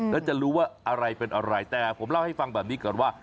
แล้วจะรู้ว่าอะไรเป็นอะไรแต่ผมเล่าให้ฟังแบบนี้ก่อนว่า